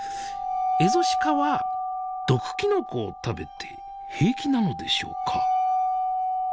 エゾシカは毒きのこを食べて平気なのでしょうか？